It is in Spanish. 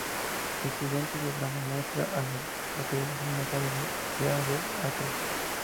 El siguiente diagrama muestra a las localidades en un radio de de Meadow Acres.